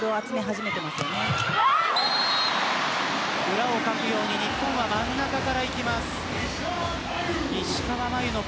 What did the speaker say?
裏をかくように日本は真ん中からいきます。